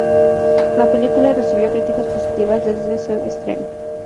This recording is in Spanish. La película recibió críticas positivas desde su estreno.